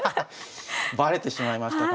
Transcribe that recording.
バレてしまいましたか。